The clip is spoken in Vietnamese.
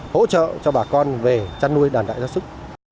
hỗ trợ cho bà con về chăn nuôi đàn đại gia sức